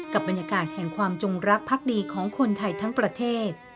บรรยากาศแห่งความจงรักพักดีของคนไทยทั้งประเทศ